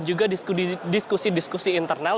juga diskusi diskusi internal